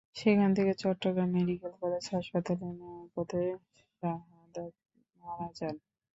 সেখান থেকে Chittagong medical college হাসপাতালে নেওয়ার পথে শাহাদাত মারা যান।